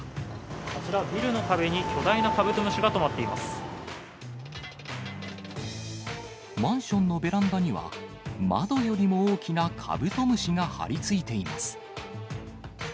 あちら、ビルの壁に巨大なカマンションのベランダには、窓よりも大きなカブトムシが張り付いています。